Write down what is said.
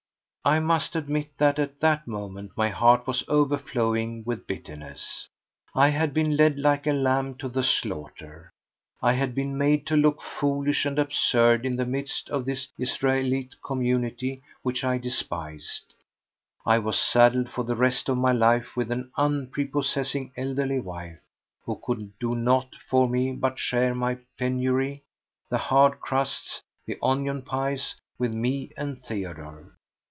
I must admit that at that moment my heart was overflowing with bitterness. I had been led like a lamb to the slaughter; I had been made to look foolish and absurd in the midst of this Israelite community which I despised; I was saddled for the rest of my life with an unprepossessing elderly wife, who could do naught for me but share the penury, the hard crusts, the onion pies with me and Theodore.